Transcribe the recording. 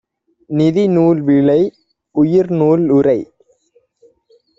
நிதிநூல்விளை! உயிர்நூல்உரை